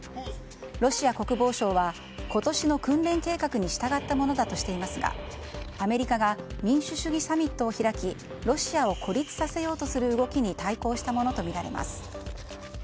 ロシア国防省は今年の訓練計画に従ったものだとしていますがアメリカが民主主義サミットを開きロシアを孤立させようとする動きに対抗したものとみられます。